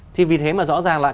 thì vì thế mà rõ ràng là